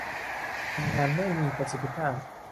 ทำงานไม่มีประสิทธิภาพ